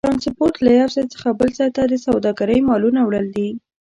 ترانسپورت له یو ځای څخه بل ځای ته د سوداګرۍ مالونو وړل دي.